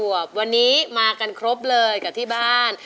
ขวบวันนี้มากันครบเลยกับที่บ้าน